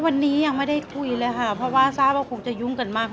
วันนี้ยังไม่ได้คุยเลยค่ะเพราะว่าทราบว่าคงจะยุ่งกันมาก